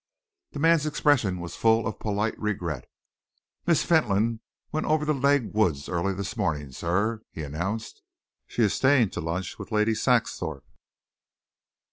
The man's expression was full of polite regret. "Miss Fentolin went over to Legh Woods early this morning, sir," he announced. "She is staying to lunch with Lady Saxthorpe."